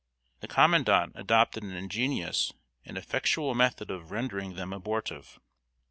The Commandant adopted an ingenious and effectual method of rendering them abortive.